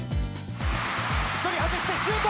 １人外してシュート！